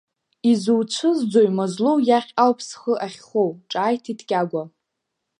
Изуцәызӡои, Мазлоу иахь ауп схы ахьхоу, ҿааиҭит Кьагәа.